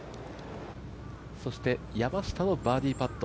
そして山下のバーディーパット。